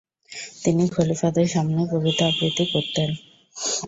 তিনি খলিফাদের সামনে কবিতা আবৃত্তি করতেন।